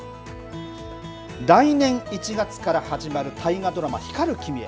来年１月から始まる大河ドラマ、光る君へ。